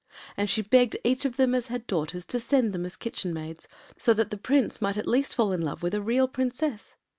And she begged such of them as had daughters to send them as kitchen maids, that so the Prince might at least fall in love with a real Princess.